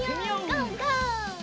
ゴーゴー！